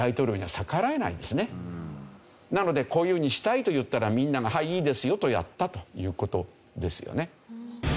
なのでこういうふうにしたいと言ったらみんなが「はいいいですよ」とやったという事ですよね。